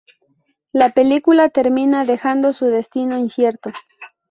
La película termina, dejando su destino incierto.